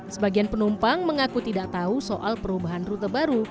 sebagian penumpang mengaku tidak tahu soal perubahan rute baru